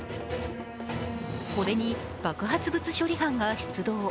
これに、爆発物処理班が出動。